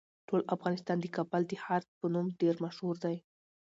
ټول افغانستان د کابل د ښار په نوم ډیر مشهور دی.